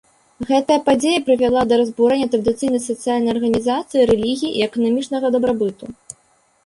Гэтая падзея прывяла да разбурэння традыцыйнай сацыяльнай арганізацыі, рэлігіі і эканамічнага дабрабыту.